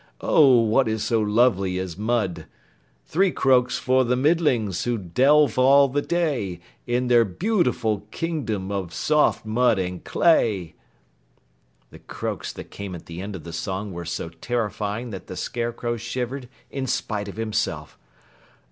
Oh what is so lovely as Mud! Three croaks for the Middlings, who delve all the day In their beautiful Kingdom of soft mud and clay!" The croaks that came at the end of the song were so terrifying that the Scarecrow shivered in spite of himself.